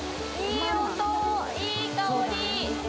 いい音、いい香り！